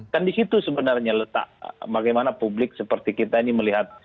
kan di situ sebenarnya letak bagaimana publik seperti kita ini melihat